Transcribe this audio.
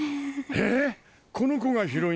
えっ！？